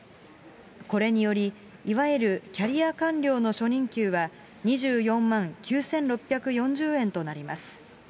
これにより、いわゆるキャリア官僚の初任給は２４万９６４０円となります。